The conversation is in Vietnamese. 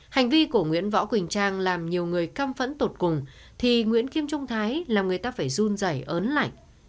hành vi của nguyễn võ quỳnh trang làm nhiều người căm phẫn tột cùng thì nguyễn kim trung thái làm người ta phải run giày ớn lạnh